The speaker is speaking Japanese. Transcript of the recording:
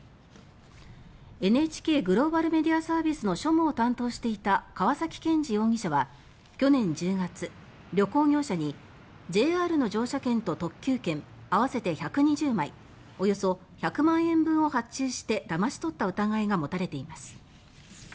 ＮＨＫグローバルメディアサービスの庶務を担当していた川崎健治容疑者は去年１０月、旅行業者にＪＲの乗車券と特急券合わせて１２０枚およそ１００万円分を発注してだまし取った疑いが持たれています。